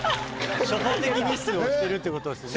初歩的ミスをしてるって事ですもんね。